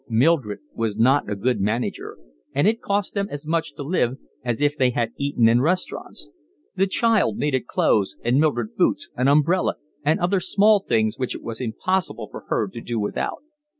Mildred was not a good manager, and it cost them as much to live as if they had eaten in restaurants; the child needed clothes, and Mildred boots, an umbrella, and other small things which it was impossible for her to do without.